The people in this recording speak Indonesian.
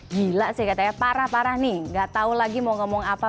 gila sih katanya parah parah nih gak tau lagi mau ngomong apa